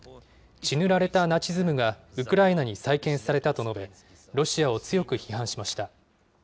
血塗られたナチズムがウクライナに再建されたと述べ、ロシアを強く批判しました。